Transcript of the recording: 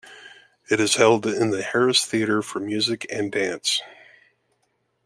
It is held in the Harris Theater for Music and Dance.